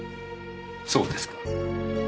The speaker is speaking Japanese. そうですか。